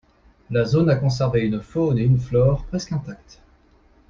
La zone a conservé une faune et une flore presqu'intactes.